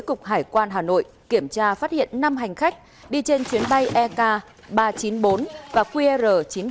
cục hải quan hà nội kiểm tra phát hiện năm hành khách đi trên chuyến bay ek ba trăm chín mươi bốn và qr chín trăm tám mươi